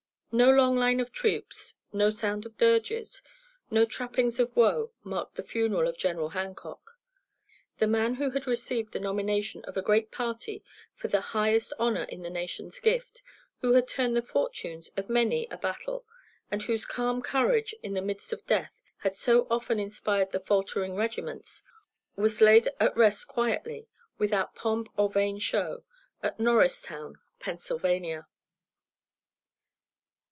No long line of troops, no sound of dirges, no trappings of woe, marked the funeral of General Hancock. The man who had received the nomination of a great party for the highest honor in the nation's gift, who had turned the fortunes of many a battle, and whose calm courage in the midst of death had so often inspired the faltering regiments, was laid at rest quietly, without pomp or vain show, at Norristown, Pennsylvania.